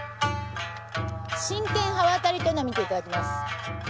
真剣刃渡りというの見ていただきます。